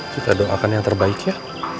kita doakan yang terbaik ya